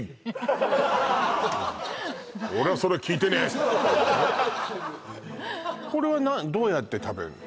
はいこれはどうやって食べんの？